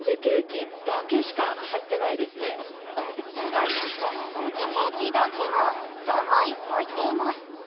スライスしたスポンジケーキだけが３枚入っています。